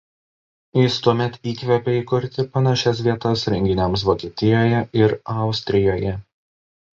Jis tuomet įkvėpė įkurti panašias vietas renginiams Vokietijoje ir Austrijoje.